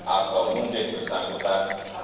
atau mungkin bersangkutan